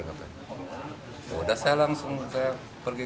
sudah saya langsung pergi